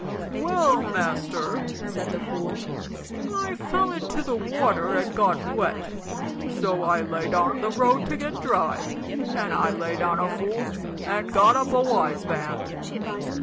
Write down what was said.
"Well, master," said the fool, "I fell into the water and got wet, so I lay down in the road to get dry; and I lay down a fool an' got up a wise man."